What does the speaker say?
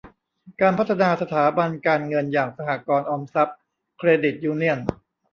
การพัฒนาสถาบันการเงินอย่างสหกรณ์ออมทรัพย์ เครดิตยูเนียน